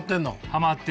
ハマってる！